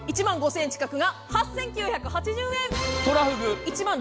１万６０００円近くが８９８０円。